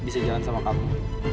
bisa jalan sama kamu